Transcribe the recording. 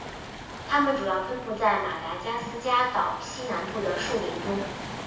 它们主要分布在马达加斯加岛西南部的树林中。